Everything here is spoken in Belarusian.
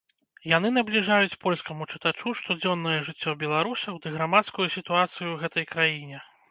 Яны набліжаюць польскаму чытачу штодзённае жыццё беларусаў ды грамадскую сітуацыю ў гэтай краіне.